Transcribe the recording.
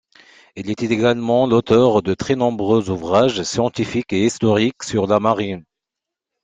Il est également l’auteur de très nombreux ouvrages scientifiques et historiques sur la marine.